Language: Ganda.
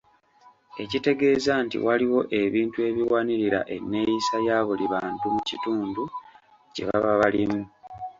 Ekitegeeza nti waliwo ebintu ebiwanirira enneeyisa ya buli bantu mu kitundu kye baba balimu.